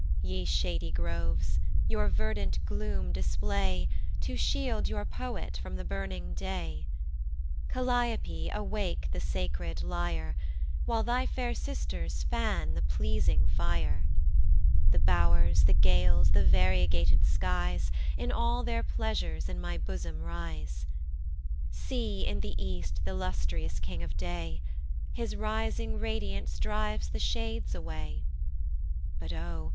Ye shady groves, your verdant gloom display To shield your poet from the burning day: Calliope awake the sacred lyre, While thy fair sisters fan the pleasing fire: The bow'rs, the gales, the variegated skies In all their pleasures in my bosom rise. See in the east th' illustrious king of day! His rising radiance drives the shades away But Oh!